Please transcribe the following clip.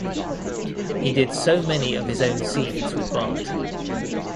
He did so many of his own scenes with Bart.